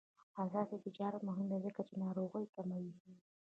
آزاد تجارت مهم دی ځکه چې ناروغۍ کموي.